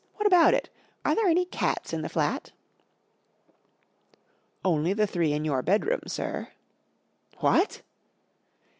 What about it ? Are there any cats in the flat ?'" Onlv the three in vour bedroom, sir." 4# What